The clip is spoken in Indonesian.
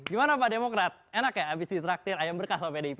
gimana pak demokrat enak ya abis ditraktir ayam berkas sama pdip